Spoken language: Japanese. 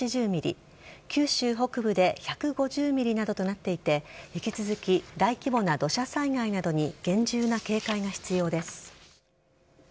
九州北部で１５０ｍｍなどとなっていて引き続き大規模な土砂災害などに厳重な警戒が必要です。